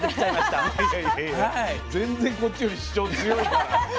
全然こっちより主張強いから。